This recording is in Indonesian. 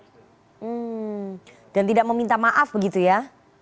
hmm dan tidak meminta maaf begitu ya